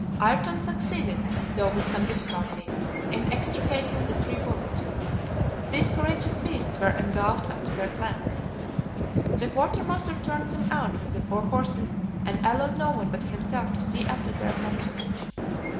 Ayrton succeeded, though with some difficulty, in extricating the three bullocks. These courageous beasts were engulfed up to their flanks. The quartermaster turned them out with the four horses, and allowed no one but himself to see after their pasturage.